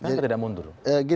kenapa tidak mundur